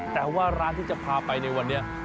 แต่ว่าร้านที่จะพาไปในวันนี้